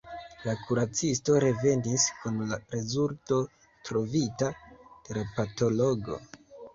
La kuracisto revenis kun la rezulto trovita de la patologo.